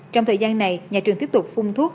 trong thời gian này nhà trường tiếp tục phun thuốc